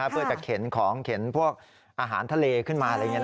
เพื่อจะเข็นของเข็นพวกอาหารทะเลขึ้นมา